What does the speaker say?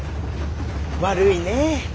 悪いねえ。